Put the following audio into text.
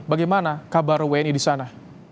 bagaimana kabar wni di sana